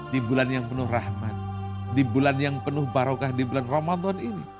di bulan yang penuh rahmat di bulan yang penuh barokah di bulan ramadan ini